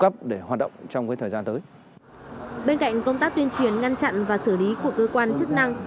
bên cạnh công tác tuyên truyền ngăn chặn và xử lý của cơ quan chức năng